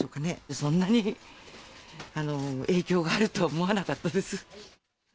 そんなに影響があると思わなかったです。